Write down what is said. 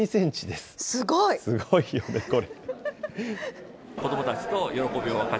すごいよね、これ。